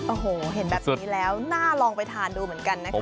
โอ้โหเห็นแบบนี้แล้วน่าลองไปทานดูเหมือนกันนะคะ